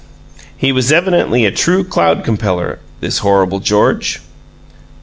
He was evidently a true cloud compeller, this horrible George.